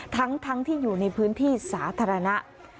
ทั้งที่อยู่ในพื้นที่สาธารณะ